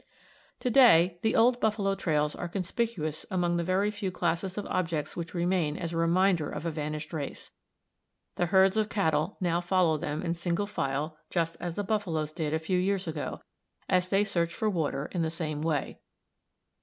To day the old buffalo trails are conspicuous among the very few classes of objects which remain as a reminder of a vanished race. The herds of cattle now follow them in single file just as the buffaloes did a few years ago, as they search for water in the same way.